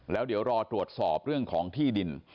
แล้วเดี๋ยวรอตรวจสอบเรื่องของที่ดิน